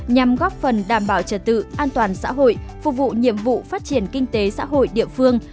nhằm góp phần đảm bảo trật tự an toàn xã hội phục vụ nhiệm vụ phát triển kinh tế xã hội địa phương